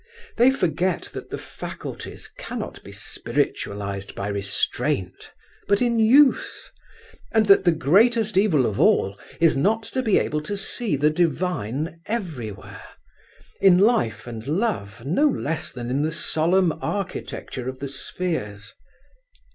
They forget that the faculties cannot be spiritualized by restraint but in use, and that the greatest evil of all is not to be able to see the divine everywhere, in life and love no less than in the solemn architecture of the spheres.